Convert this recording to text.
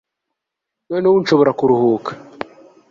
Noneho ubu nshobora kuruhuka